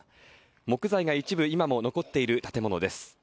木材が一部、今も残っている建物です。